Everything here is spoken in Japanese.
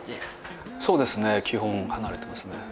そうですね基本離れてますね。